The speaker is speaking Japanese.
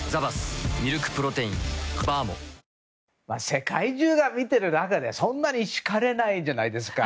世界中が見てる中でそんなに叱れないじゃないですか。